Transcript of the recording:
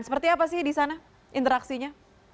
seperti apa sih di sana interaksinya